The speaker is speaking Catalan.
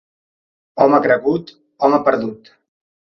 Home cregut, home perdut.